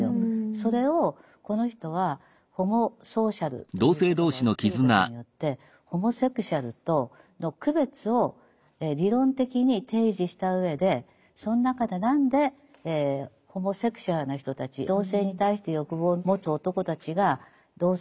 それをこの人はホモソーシャルという言葉を作ることによってホモセクシュアルとの区別を理論的に提示したうえでその中で何でホモセクシュアルな人たち同性に対して欲望を持つ男たちが同性の集団から排除されるか。